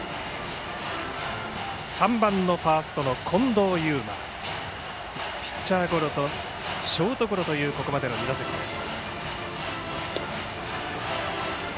３番のファースト、近藤祐真はピッチャーゴロとショートゴロというここまでの２打席です。